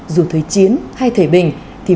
dù thời chiến hay thời bình